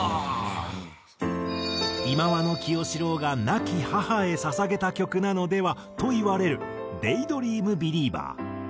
忌野清志郎が亡き母へ捧げた曲なのでは？といわれる『デイ・ドリーム・ビリーバー』。